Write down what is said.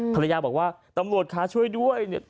ภรรยาบอกว่าตำรวจคะช่วยด้วย